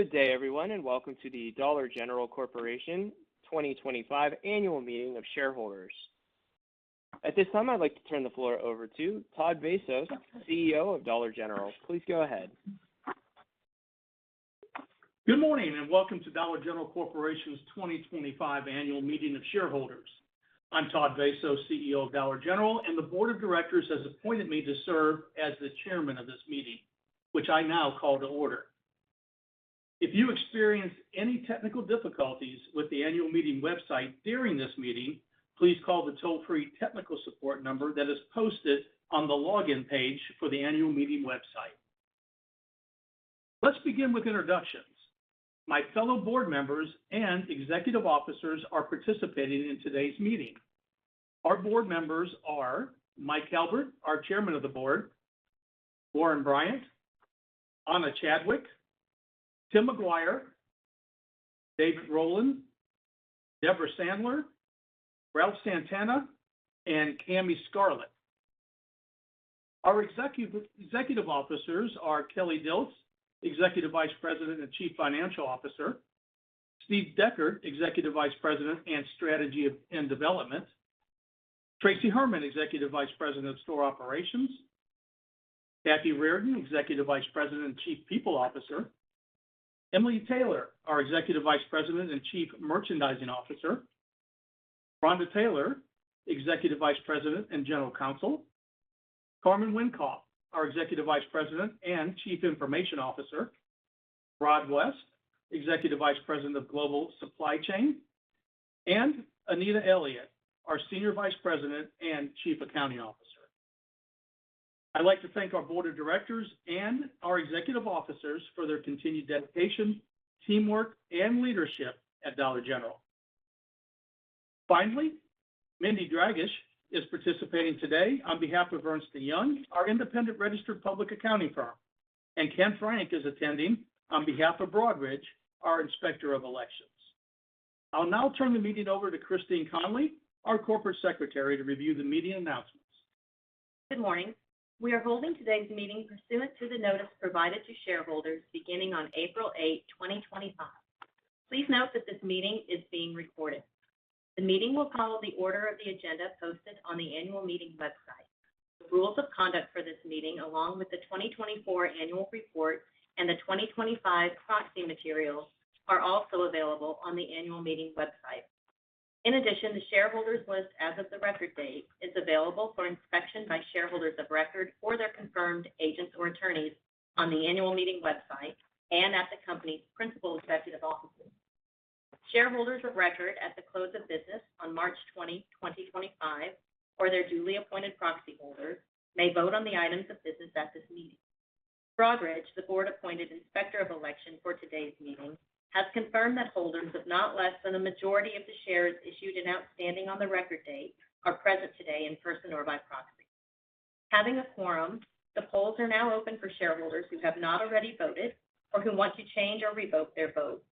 Good day, everyone, and welcome to the Dollar General Corporation 2025 Annual Meeting of Shareholders. At this time, I'd like to turn the floor over to Todd Vasos, CEO of Dollar General. Please go ahead. Good morning and welcome to Dollar General Corporation's 2025 Annual Meeting of Shareholders. I'm Todd Vasos, CEO of Dollar General, and the Board of Directors has appointed me to serve as the Chairman of this meeting, which I now call to order. If you experience any technical difficulties with the annual meeting website during this meeting, please call the toll-free technical support number that is posted on the login page for the annual meeting website. Let's begin with introductions. My fellow board members and executive officers are participating in today's meeting. Our board members are Mike Calbert, our Chairman of the Board, Warren Bryant, Ana Chadwick, Tim McGuire, David Rowland, Debra Sandler, Ralph Santana, and Kamy Scarlett. Our executive officers are Kelly Dilts, Executive Vice President and Chief Financial Officer, Steve Deckard, Executive Vice President and Strategy and Development, Tracey Herrmann, Executive Vice President of Store Operations, Kathy Reardon, Executive Vice President and Chief People Officer, Emily Taylor, our Executive Vice President and Chief Merchandising Officer, Rhonda Taylor, Executive Vice President and General Counsel, Carman Wenkoff, our Executive Vice President and Chief Information Officer, Rod West, Executive Vice President of Global Supply Chain, and Anita Elliott, our Senior Vice President and Chief Accounting Officer. I'd like to thank our Board of Directors and our executive officers for their continued dedication, teamwork, and leadership at Dollar General. Finally, Mindy Dragis is participating today on behalf of Ernst & Young, our independent registered public accounting firm, and Ken Frank is attending on behalf of Broadridge, our Inspector of Election. I'll now turn the meeting over to Christine Connolly, our Corporate Secretary, to review the meeting announcements. Good morning. We are holding today's meeting pursuant to the notice provided to shareholders beginning on April 8, 2025. Please note that this meeting is being recorded. The meeting will follow the order of the agenda posted on the annual meeting website. The rules of conduct for this meeting, along with the 2024 Annual Report and the 2025 Proxy Materials, are also available on the annual meeting website. In addition, the shareholders' list as of the record date is available for inspection by shareholders of record or their confirmed agents or attorneys on the annual meeting website and at the company's principal executive offices. Shareholders of record at the close of business on March 20, 2025, or their duly appointed proxy holders may vote on the items of business at this meeting. Broadridge, the board-appointed Inspector of Election for today's meeting, has confirmed that holders of not less than a majority of the shares issued and outstanding on the record date are present today in person or by proxy. Having a quorum, the polls are now open for shareholders who have not already voted or who want to change or revoke their vote.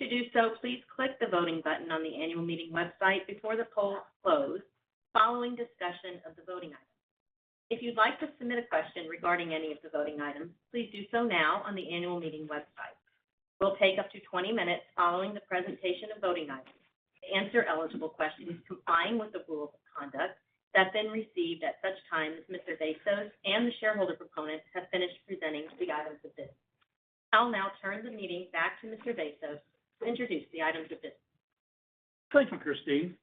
To do so, please click the voting button on the annual meeting website before the polls close following discussion of the voting items. If you'd like to submit a question regarding any of the voting items, please do so now on the annual meeting website. We'll take up to 20 minutes following the presentation of voting items to answer eligible questions complying with the rules of conduct that have been received at such time as Mr. Vasos and the shareholder proponents have finished presenting the items of business. I'll now turn the meeting back to Mr. Vasos to introduce the items of business. Thank you, Christine.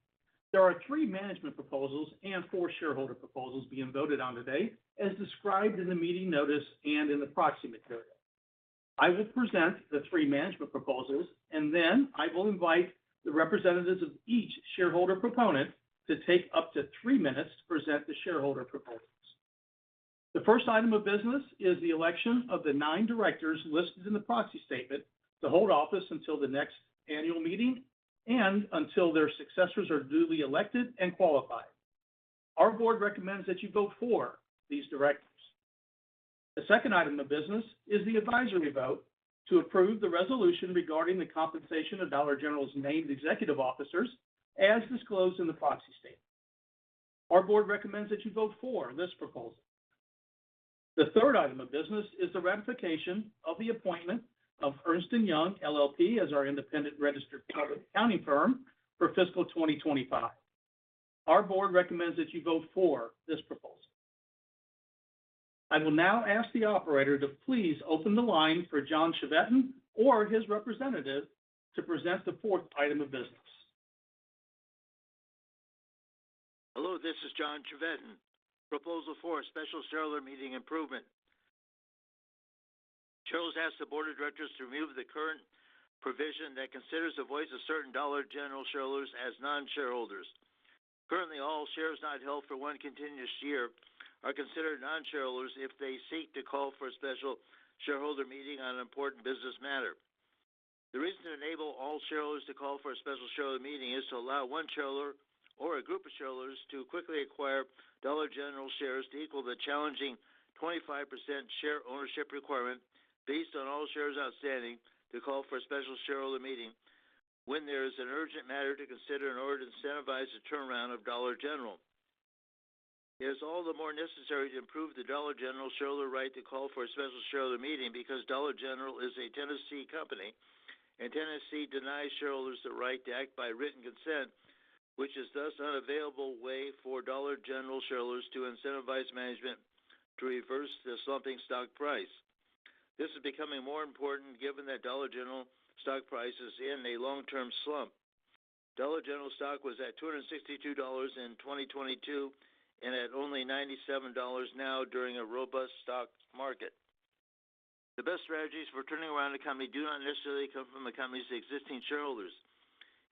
There are three management proposals and four shareholder proposals being voted on today as described in the meeting notice and in the proxy material. I will present the three management proposals, and then I will invite the representatives of each shareholder proponent to take up to three minutes to present the shareholder proposals. The first item of business is the election of the nine directors listed in the proxy statement to hold office until the next annual meeting and until their successors are duly elected and qualified. Our board recommends that you vote for these directors. The second item of business is the advisory vote to approve the resolution regarding the compensation of Dollar General's named executive officers as disclosed in the proxy statement. Our board recommends that you vote for this proposal. The third item of business is the ratification of the appointment of Ernst & Young LLP as our independent registered public accounting firm for fiscal 2025. Our board recommends that you vote for this proposal. I will now ask the operator to please open the line for John Chevedden or his representative to present the fourth item of business. Hello, this is John Chevedden. Proposal for a special shareholder meeting improvement. Shareholders ask the board of directors to remove the current provision that considers the voice of certain Dollar General shareholders as non-shareholders. Currently, all shares not held for one continuous year are considered non-shareholders if they seek to call for a special shareholder meeting on an important business matter. The reason to enable all shareholders to call for a special shareholder meeting is to allow one shareholder or a group of shareholders to quickly acquire Dollar General shares to equal the challenging 25% share ownership requirement based on all shares outstanding to call for a special shareholder meeting when there is an urgent matter to consider in order to incentivize the turnaround of Dollar General. It is all the more necessary to improve the Dollar General shareholder right to call for a special shareholder meeting because Dollar General is a Tennessee company, and Tennessee denies shareholders the right to act by written consent, which is thus an unavailable way for Dollar General shareholders to incentivize management to reverse the slumping stock price. This is becoming more important given that Dollar General stock price is in a long-term slump. Dollar General stock was at $262 in 2022 and at only $97 now during a robust stock market. The best strategies for turning around the economy do not necessarily come from the company's existing shareholders.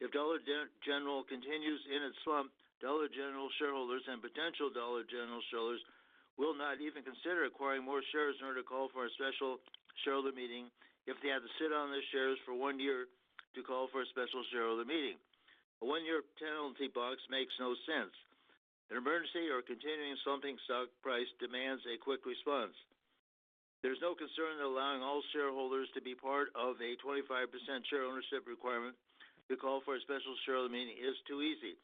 If Dollar General continues in its slump, Dollar General shareholders and potential Dollar General shareholders will not even consider acquiring more shares in order to call for a special shareholder meeting if they have to sit on their shares for one year to call for a special shareholder meeting. A one-year penalty box makes no sense. An emergency or continuing slumping stock price demands a quick response. There is no concern that allowing all shareholders to be part of a 25% share ownership requirement to call for a special shareholder meeting is too easy.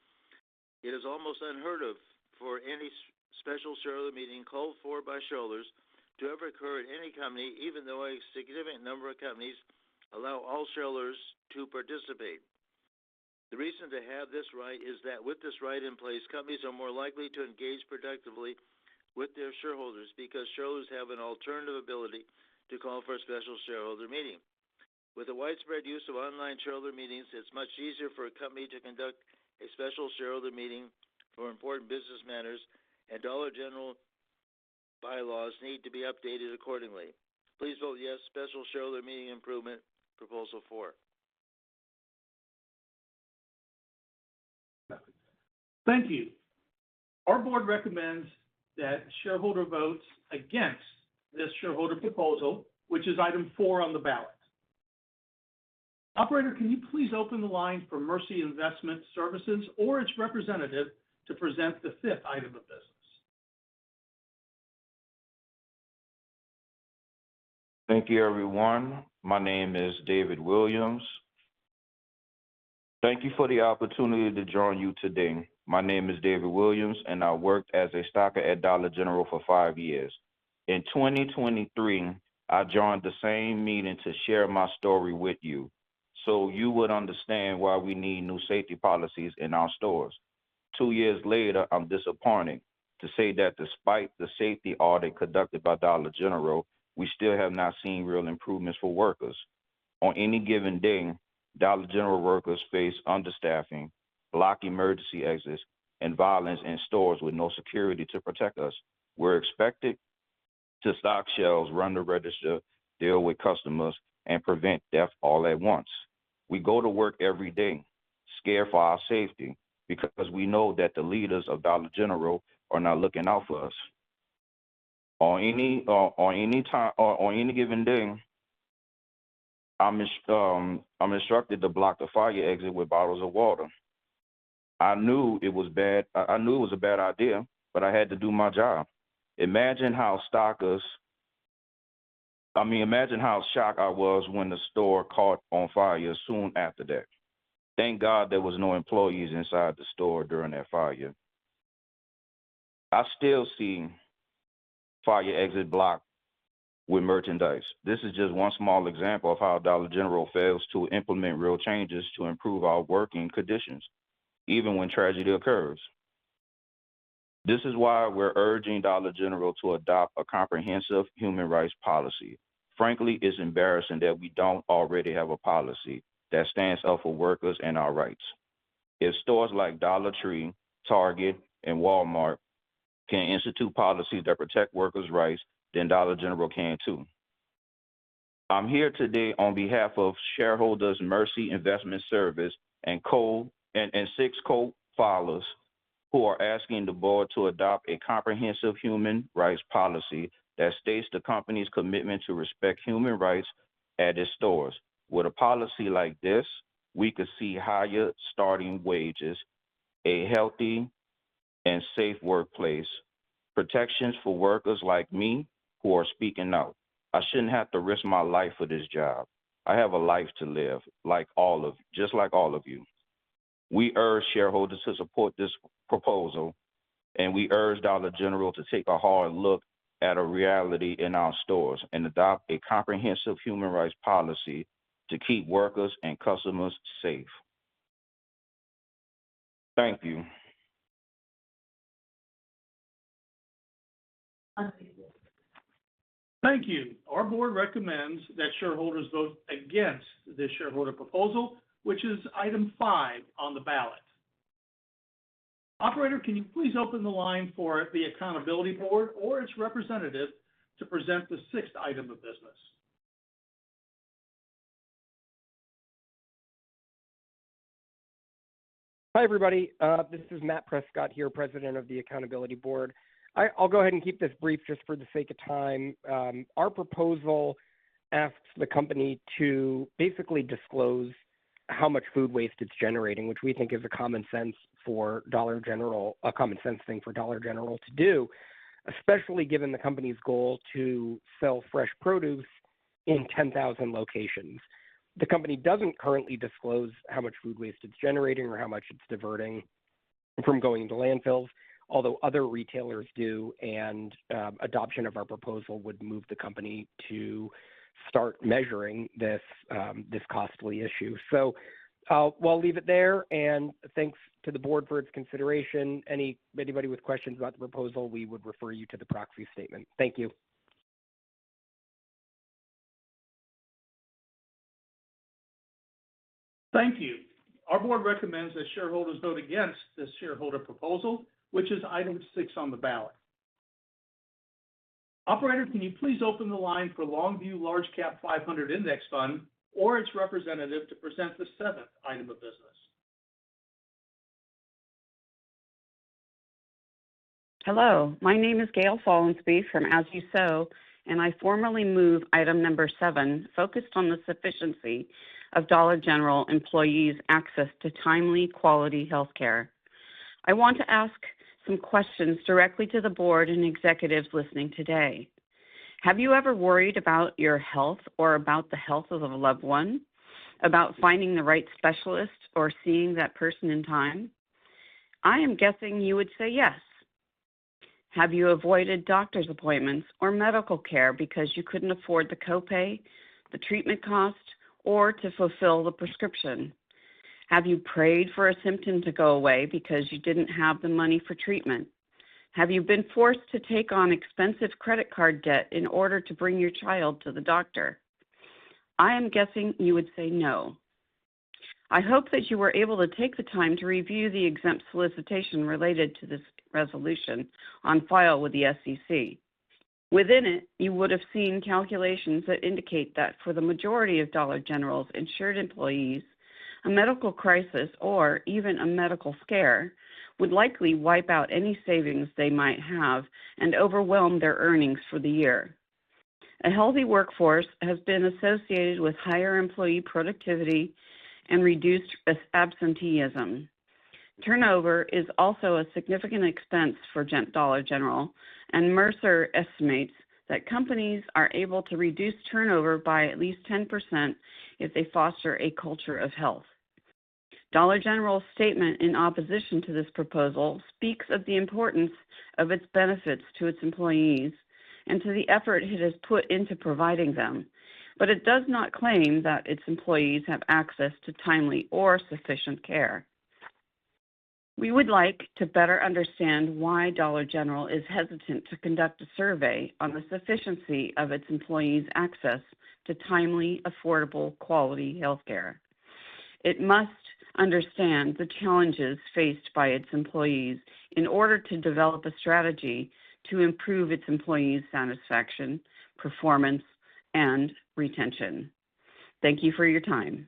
It is almost unheard of for any special shareholder meeting called for by shareholders to ever occur at any company, even though a significant number of companies allow all shareholders to participate. The reason to have this right is that with this right in place, companies are more likely to engage productively with their shareholders because shareholders have an alternative ability to call for a special shareholder meeting. With the widespread use of online shareholder meetings, it's much easier for a company to conduct a special shareholder meeting for important business matters, and Dollar General bylaws need to be updated accordingly. Please vote yes to special shareholder meeting improvement proposal four. Thank you. Our board recommends that shareholder votes against this shareholder proposal, which is item four on the ballot. Operator, can you please open the line for Mercy Investment Services or its representative to present the fifth item of business? Thank you, everyone. My name is David Williams. Thank you for the opportunity to join you today. My name is David Williams, and I worked as a stocker at Dollar General for five years. In 2023, I joined the same meeting to share my story with you so you would understand why we need new safety policies in our stores. Two years later, I'm disappointed to say that despite the safety audit conducted by Dollar General, we still have not seen real improvements for workers. On any given day, Dollar General workers face understaffing, block emergency exits, and violence in stores with no security to protect us. We're expected to stock shelves, run the register, deal with customers, and prevent theft all at once. We go to work every day, scared for our safety because we know that the leaders of Dollar General are not looking out for us. On any given day, I'm instructed to block the fire exit with bottles of water. I knew it was a bad idea, but I had to do my job. Imagine how stockers, I mean, imagine how shocked I was when the store caught on fire soon after that. Thank God there were no employees inside the store during that fire. I still see fire exit blocked with merchandise. This is just one small example of how Dollar General fails to implement real changes to improve our working conditions, even when tragedy occurs. This is why we're urging Dollar General to adopt a comprehensive human rights policy. Frankly, it's embarrassing that we don't already have a policy that stands up for workers and our rights. If stores like Dollar Tree, Target, and Walmart can institute policies that protect workers' rights, then Dollar General can too. I'm here today on behalf of shareholders' Mercy Investment Services and six co-filers who are asking the board to adopt a comprehensive human rights policy that states the company's commitment to respect human rights at its stores. With a policy like this, we could see higher starting wages, a healthy and safe workplace, protections for workers like me who are speaking out. I shouldn't have to risk my life for this job. I have a life to live, just like all of you. We urge shareholders to support this proposal, and we urge Dollar General to take a hard look at a reality in our stores and adopt a comprehensive human rights policy to keep workers and customers safe. Thank you. Thank you. Our board recommends that shareholders vote against this shareholder proposal, which is item five on the ballot. Operator, can you please open the line for The Accountability Board or its representative to present the sixth item of business? Hi, everybody. This is Matt Prescott here, President of The Accountability Board. I'll go ahead and keep this brief just for the sake of time. Our proposal asks the company to basically disclose how much food waste it's generating, which we think is a common sense for Dollar General - a common sense thing for Dollar General to do, especially given the company's goal to sell fresh produce in 10,000 locations. The company doesn't currently disclose how much food waste it's generating or how much it's diverting from going into landfills, although other retailers do, and adoption of our proposal would move the company to start measuring this costly issue. So we'll leave it there, and thanks to the board for its consideration. Anybody with questions about the proposal, we would refer you to the proxy statement. Thank you. Thank you. Our board recommends that shareholders vote against this shareholder proposal, which is item six on the ballot. Operator, can you please open the line for LongView Large Cap 500 Index Fund or its representative to present the seventh item of business? Hello. My name is Gail Follansbee from As You Sow, and I formally move item number seven, focused on the sufficiency of Dollar General employees' access to timely, quality healthcare. I want to ask some questions directly to the board and executives listening today. Have you ever worried about your health or about the health of a loved one, about finding the right specialist or seeing that person in time? I am guessing you would say yes. Have you avoided doctor's appointments or medical care because you couldn't afford the copay, the treatment cost, or to fulfill the prescription? Have you prayed for a symptom to go away because you didn't have the money for treatment? Have you been forced to take on expensive credit card debt in order to bring your child to the doctor? I am guessing you would say no. I hope that you were able to take the time to review the exempt solicitation related to this resolution on file with the SEC. Within it, you would have seen calculations that indicate that for the majority of Dollar General's insured employees, a medical crisis or even a medical scare would likely wipe out any savings they might have and overwhelm their earnings for the year. A healthy workforce has been associated with higher employee productivity and reduced absenteeism. Turnover is also a significant expense for Dollar General, and Mercer estimates that companies are able to reduce turnover by at least 10% if they foster a culture of health. Dollar General's statement in opposition to this proposal speaks of the importance of its benefits to its employees and to the effort it has put into providing them, but it does not claim that its employees have access to timely or sufficient care. We would like to better understand why Dollar General is hesitant to conduct a survey on the sufficiency of its employees' access to timely, affordable, quality healthcare. It must understand the challenges faced by its employees in order to develop a strategy to improve its employees' satisfaction, performance, and retention. Thank you for your time.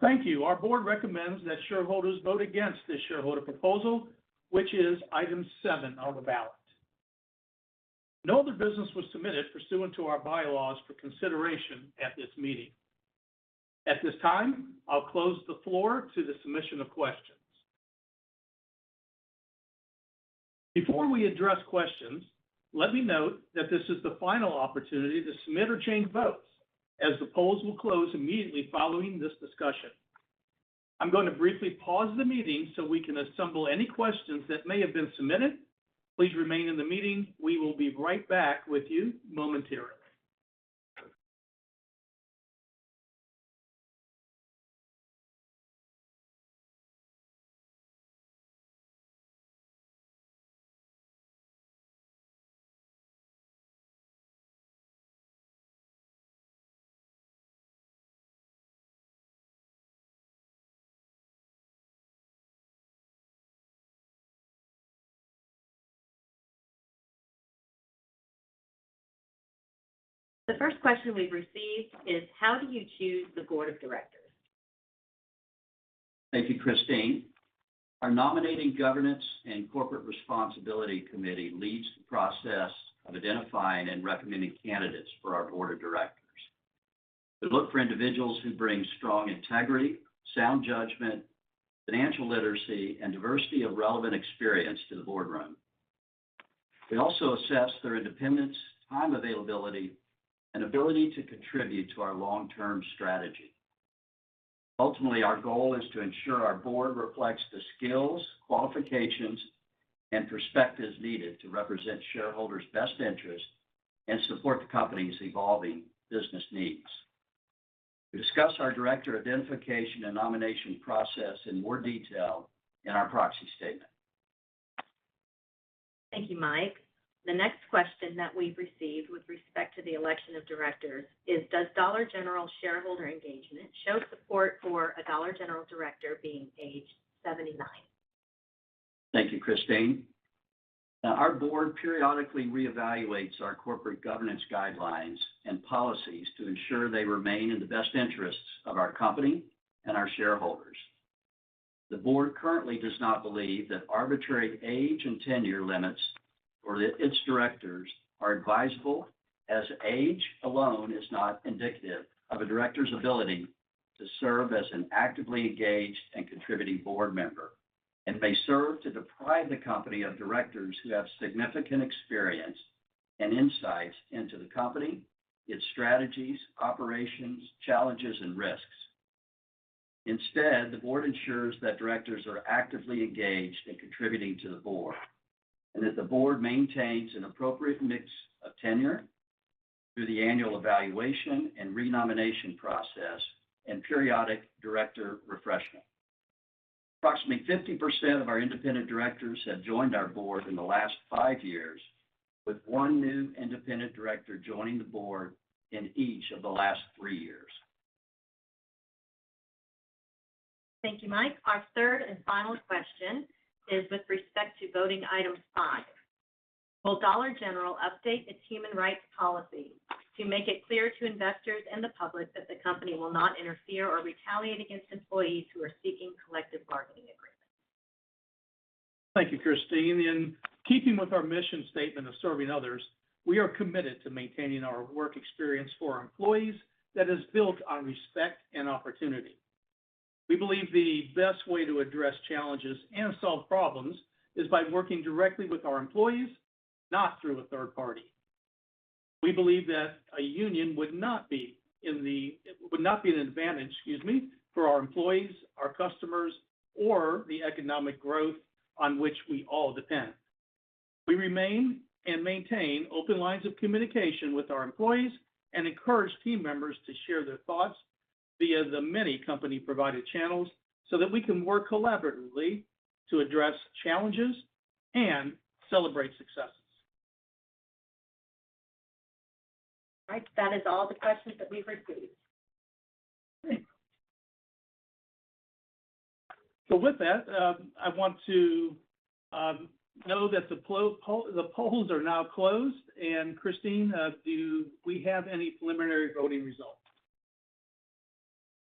Thank you. Our board recommends that shareholders vote against this shareholder proposal, which is item seven on the ballot. No other business was submitted pursuant to our bylaws for consideration at this meeting. At this time, I'll close the floor to the submission of questions. Before we address questions, let me note that this is the final opportunity to submit or change votes, as the polls will close immediately following this discussion. I'm going to briefly pause the meeting so we can assemble any questions that may have been submitted. Please remain in the meeting. We will be right back with you momentarily. The first question we've received is, how do you choose the board of directors? Thank you, Christine. Our Nominating, Governance and Corporate Responsibility Committee leads the process of identifying and recommending candidates for our Board of Directors. We look for individuals who bring strong integrity, sound judgment, financial literacy, and diversity of relevant experience to the boardroom. We also assess their independence, time availability, and ability to contribute to our long-term strategy. Ultimately, our goal is to ensure our Board reflects the skills, qualifications, and perspectives needed to represent shareholders' best interests and support the company's evolving business needs. We discuss our director identification and nomination process in more detail in our Proxy Statement. Thank you, Mike. The next question that we've received with respect to the election of directors is, does Dollar General shareholder engagement show support for a Dollar General director being aged 79? Thank you, Christine. Our board periodically reevaluates our corporate governance guidelines and policies to ensure they remain in the best interests of our company and our shareholders. The board currently does not believe that arbitrary age and tenure limits for its directors are advisable, as age alone is not indicative of a director's ability to serve as an actively engaged and contributing board member and may serve to deprive the company of directors who have significant experience and insights into the company, its strategies, operations, challenges, and risks. Instead, the board ensures that directors are actively engaged and contributing to the board and that the board maintains an appropriate mix of tenure through the annual evaluation and re-nomination process and periodic director refreshment. Approximately 50% of our independent directors have joined our board in the last five years, with one new independent director joining the board in each of the last three years. Thank you, Mike. Our third and final question is with respect to voting item five. Will Dollar General update its human rights policy to make it clear to investors and the public that the company will not interfere or retaliate against employees who are seeking collective bargaining agreements? Thank you, Christine. In keeping with our mission statement of serving others, we are committed to maintaining our work experience for our employees that is built on respect and opportunity. We believe the best way to address challenges and solve problems is by working directly with our employees, not through a third party. We believe that a union would not be an advantage for our employees, our customers, or the economic growth on which we all depend. We remain and maintain open lines of communication with our employees and encourage team members to share their thoughts via the many company-provided channels so that we can work collaboratively to address challenges and celebrate successes. Mike, that is all the questions that we've received. So with that, I want to know that the polls are now closed. And Christine, do we have any preliminary voting results?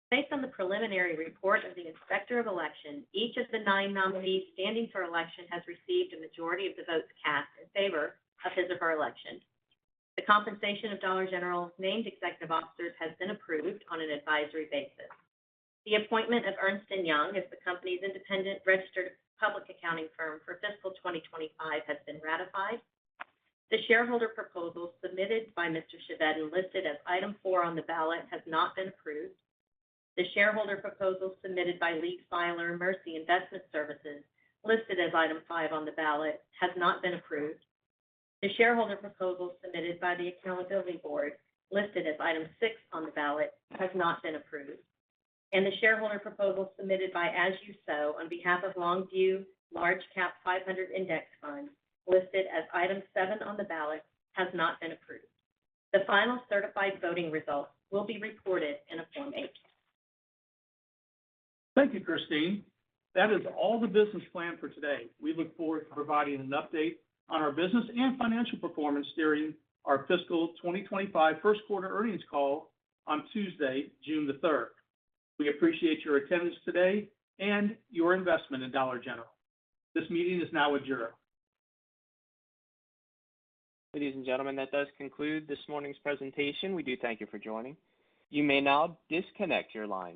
Based on the preliminary report of the Inspector of Election, each of the nine nominees standing for election has received a majority of the votes cast in favor of his or her election. The compensation of Dollar General's named executive officers has been approved on an advisory basis. The appointment of Ernst & Young as the company's independent registered public accounting firm for fiscal 2025 has been ratified. The shareholder proposal submitted by Mr. Chevedden and listed as item four on the ballot has not been approved. The shareholder proposal submitted by Mercy Investment Services listed as item five on the ballot has not been approved. The shareholder proposal submitted by The Accountability Board listed as item six on the ballot has not been approved. The shareholder proposal submitted by As You Sow on behalf of Longview Large Cap 500 Index Fund listed as item seven on the ballot has not been approved. The final certified voting results will be reported in a Form 8-K. Thank you, Christine. That is all the business planned for today. We look forward to providing an update on our business and financial performance during our fiscal 2025 first quarter earnings call on Tuesday, June the 3rd. We appreciate your attendance today and your investment in Dollar General. This meeting is now adjourned. Ladies and gentlemen, that does conclude this morning's presentation. We do thank you for joining. You may now disconnect your line.